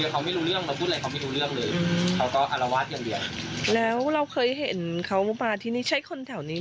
คนบ้านปกติทั่วไปอย่างนี้